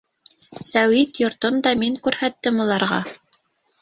Сәүит йортон да мин күрһәттем уларға.